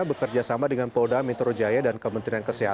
bekerjasama dengan polda metro jaya dan kementerian kesehatan